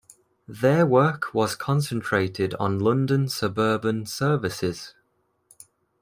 Their work was concentrated on London suburban services.